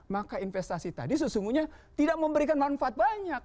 maka investasi tadi sesungguhnya tidak memberikan manfaat banyak